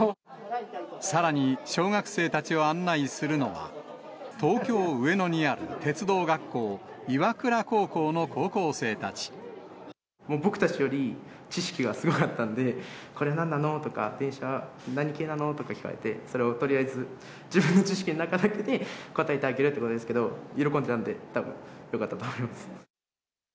さらに、小学生たちを案内するのは、東京・上野にある鉄道学校、僕たちより知識がすごかったんで、これなんなの？とか、電車何系なの？とか聞かれて、それをとりあえず自分の知識の中だけで答えてあげるってことですけど、喜んでいたので、たぶん、よかったと思います。